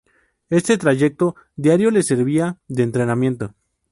Este trayecto diario le servía de entrenamiento.